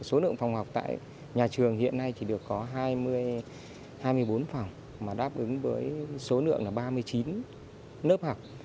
số lượng phòng học tại nhà trường hiện nay chỉ được có hai mươi bốn phòng mà đáp ứng với số lượng là ba mươi chín lớp học